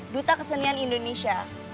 duta kesenian indonesia